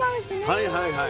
はいはいはいはい。